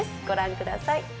御覧ください。